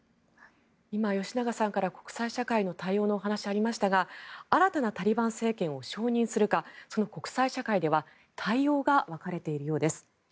今、吉永さんから国際社会の対応の話がありましたが新たなタリバンを承認するかその国際社会では対応が分かれているようです。